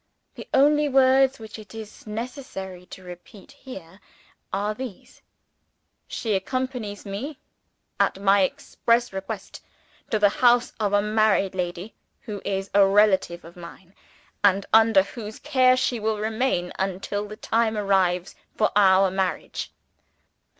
The only words which it is necessary to repeat here, are these: "She accompanies me, at my express request, to the house of a married lady who is a relative of mine, and under whose care she will remain, until the time arrives for our marriage."